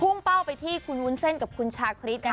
ภูมิเป้าไปที่คุณวุ้นเส้นกับคุณชาคริส